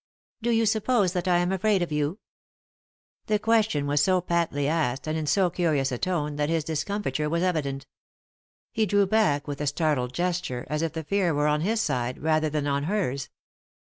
"Do you suppose that I am afraid of you F" The question was so patly asked, and in so curious a tone, that his discomfiture was evident He drew back with a startled gesture, as if the fear were on his side rather than on hers.